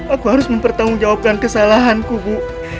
aku harus mempertanggungjawabkan kesalahanku bu